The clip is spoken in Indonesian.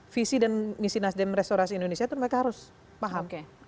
visi dan misi nasdem restorasi indonesia itu mereka harus paham